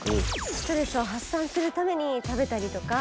ストレスを発散するために食べたりとか。